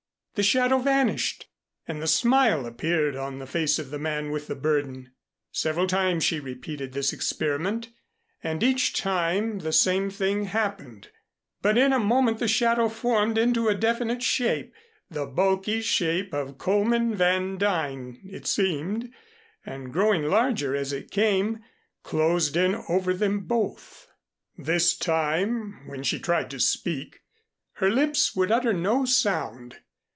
The shadow vanished and the smile appeared on the face of the man with the burden. Several times she repeated this experiment and each time the same thing happened. But in a moment the shadow formed into a definite shape, the bulky shape of Coleman Van Duyn it seemed, and growing larger as it came, closed in over them both. This time when she tried to speak, her lips would utter no sound.